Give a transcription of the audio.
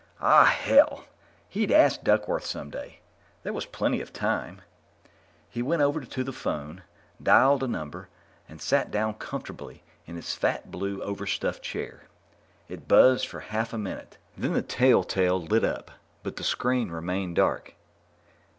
Ah, hell! He'd ask Duckworth some day. There was plenty of time. He went over to the phone, dialed a number, and sat down comfortably in his fat blue overstuffed chair. It buzzed for half a minute, then the telltale lit up, but the screen remained dark.